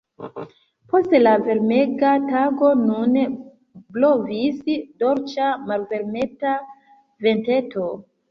Post la varmega tago nun blovis dolĉa, malvarmeta venteto.